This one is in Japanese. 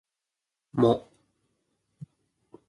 も